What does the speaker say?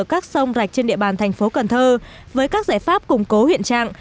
các sông rạch trên địa bàn thành phố cần thơ với các giải pháp củng cố hiện trạng